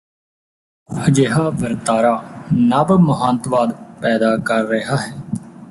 ਅਜਿਹਾ ਵਰਤਾਰਾ ਨਵ ਮਹੰਤਵਾਦ ਪੈਦਾ ਕਰ ਰਿਹਾ ਹੈ